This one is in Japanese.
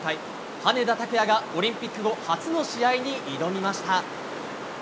羽根田卓也がオリンピック後初の試合に挑みました。